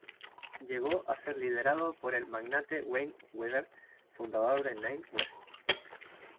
Llegó a ser liderado por el magnate Wayne Weaver, fundador de Nine West.